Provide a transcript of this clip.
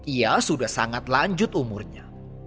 ia sudah sangat lanjut umurnya